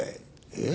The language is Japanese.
えっ？